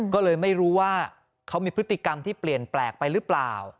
ก็เลยไม่รู้ว่าเขามีพฤติกรรมที่เปลี่ยนแปลกไปหรือเปล่า